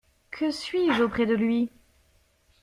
Que suis-je auprès de Lui.